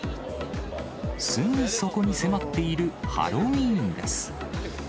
すぐそこに迫っているハロウィーンです。